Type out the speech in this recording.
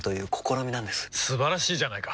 素晴らしいじゃないか！